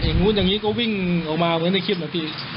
อย่างนู้นอย่างนี้ก็วิ่งออกมาเหมือนในคลิปนะพี่